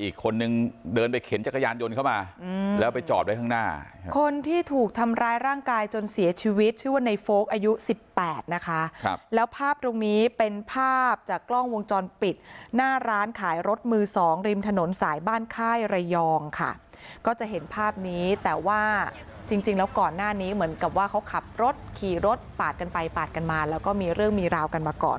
อีกคนนึงเดินไปเข็นจักรยานยนต์เข้ามาแล้วไปจอดไว้ข้างหน้าคนที่ถูกทำร้ายร่างกายจนเสียชีวิตชื่อว่าในโฟลกอายุสิบแปดนะคะครับแล้วภาพตรงนี้เป็นภาพจากกล้องวงจรปิดหน้าร้านขายรถมือสองริมถนนสายบ้านค่ายระยองค่ะก็จะเห็นภาพนี้แต่ว่าจริงแล้วก่อนหน้านี้เหมือนกับว่าเขาขับรถขี่รถปาดกันไปปาดกันมาแล้วก็มีเรื่องมีราวกันมาก่อน